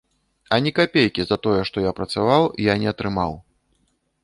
Ані капейкі за тое, што я працаваў, я не атрымаў.